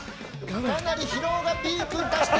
かなり疲労がピークに達して。